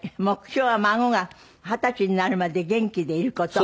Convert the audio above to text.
目標は孫が二十歳になるまで元気でいる事。